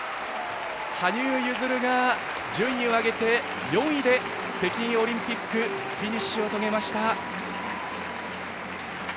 羽生結弦が、順位を上げて４位で北京オリンピックフィニッシュを遂げました。